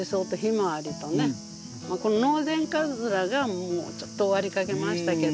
ノウゼンカズラがもうちょっと終わりかけましたけどね。